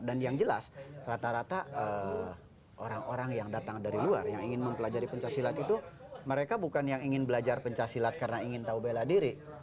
dan yang jelas rata rata orang orang yang datang dari luar yang ingin mempelajari pencak silat itu mereka bukan yang ingin belajar pencak silat karena ingin tahu bela diri